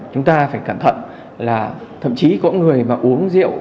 chúng ta phải cẩn thận là thậm chí có người mà uống rượu